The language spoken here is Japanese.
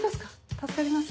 助かります。